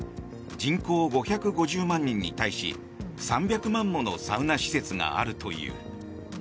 人口５５０万人に対し３００万ものサウナ施設があるという。